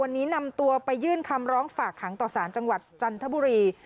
วันนี้นำตัวไปยื่นคำร้องฝากขังต่อสารจังหวัดจันทบุรี